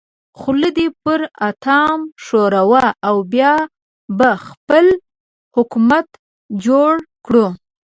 خوله دې پر اتام ښوروه او بیا به خپل حکومت جوړ کړو.